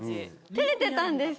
てれてたんですか？